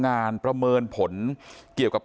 ด้านไข่ที่มันไม่ธรรมดา